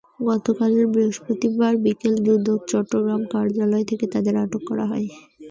গতকাল বৃহস্পতিবার বিকেলে দুদক চট্টগ্রামের কার্যালয় থেকে তাঁদের আটক করা হয়।